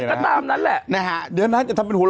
กูพูดเรื่องจริงอย่างนี้